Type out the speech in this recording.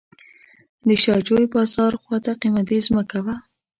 د شاه جوی بازار خواته قیمتي ځمکه وه.